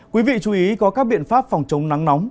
quý vị chú ý có các biện pháp phòng chống nắng nóng